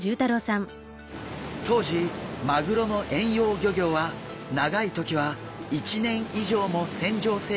当時マグロの遠洋漁業は長い時は１年以上も船上生活が続きました。